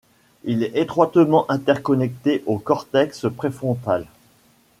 Il est étroitement interconnecté au cortex préfrontal.